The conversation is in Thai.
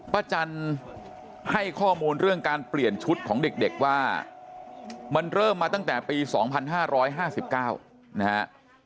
จันให้ข้อมูลเรื่องการเปลี่ยนชุดของเด็กว่ามันเริ่มมาตั้งแต่ปี๒๕๕๙นะฮะ